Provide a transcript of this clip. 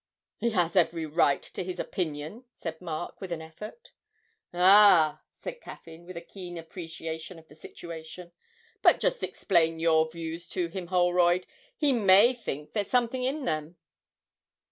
'He has every right to his opinion,' said Mark, with an effort. 'Ah,' said Caffyn with a keen appreciation of the situation, 'but just explain your views to him, Holroyd. He may think there's something in them!'